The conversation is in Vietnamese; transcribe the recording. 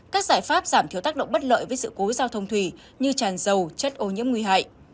các giải pháp giảm thiếu tác động bất lợi với sự cố giao thông thủy như tràn dầu chất ô nhiễm nguy hại